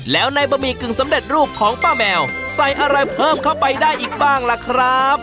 แล้วในบะหมี่กึ่งสำเร็จรูปของป้าแมวใส่อะไรเพิ่มเข้าไปได้อีกบ้างล่ะครับ